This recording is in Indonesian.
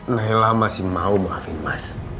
nailah masih mau maafin mas